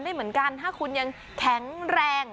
ไม่เหมือนกันถ้าคุณยังแข็งแรง